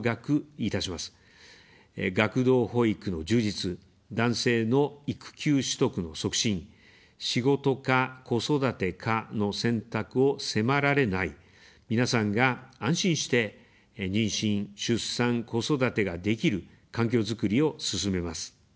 学童保育の充実、男性の育休取得の促進、「仕事か子育てか」の選択を迫られない、皆さんが安心して妊娠、出産、子育てができる環境づくりを進めます。